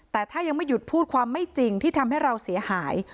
แต่ถ้ายังไม่หยุดพูดความไม่จริงที่ทำให้เราเสียหาย